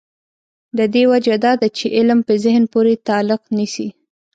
د دې وجه دا ده چې علم په ذهن پورې تعلق نیسي.